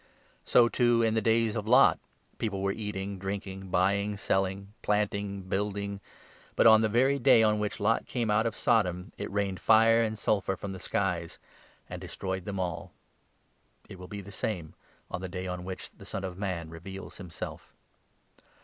So, too, in 28 the days of Lot. People were eating , drinking, buying, selling, planting, building ; but, on the very day on which Lot 29 came out of Sodom, it rained fire and sulphur from the skies and destroyed them all. It will be the same on the day 30 on which the Son of Man reveals himself.